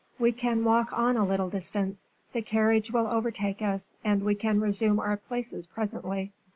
We can walk on a little distance; the carriage will overtake us, and we can resume our places presently."